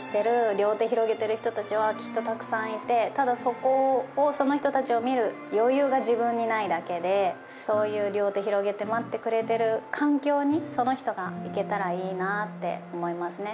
両手広げてる人達はきっとたくさんいてただそこをその人達を見る余裕が自分にないだけでそういう両手広げて待ってくれてる環境にその人が行けたらいいなって思いますね